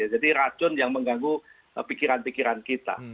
jadi racun yang mengganggu pikiran pikiran kita